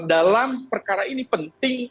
dalam perkara ini penting